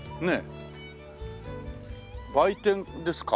売店ですか？